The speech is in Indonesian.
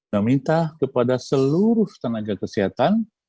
meminta kepada seluruh tenaga kesehatan